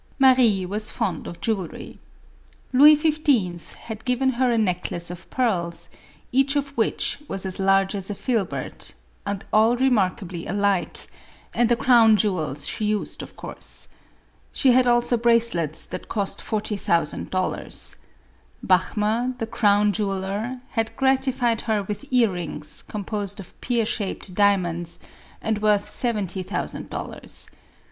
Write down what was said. Marie was fond of jewelry. Louis XV. had given her a necklace of pearls, each of which was as large as a filbert, and all remarkably alike ; and the crowr^jew els she used of course. She had also bracelets that cost forty thousand dollars. Bachmer, the crown jewel er, had gratified her with ear rings, composed of pear shaped diamonds, and worth seventy thousand dollars.